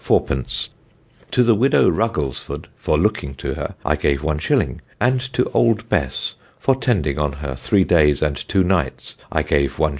_, to the widow Rugglesford for looking to her, I gave 1_s._; and to Old Bess, for tending on her 3 days and 2 nights, I gave 1_s.